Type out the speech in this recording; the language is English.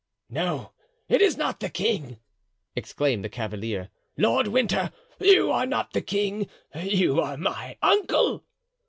"No! it is not the king!" exclaimed the cavalier. "Lord Winter, you are not the king; you are my uncle."